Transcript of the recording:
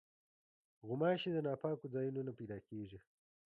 غوماشې د ناپاکو ځایونو نه پیدا کېږي.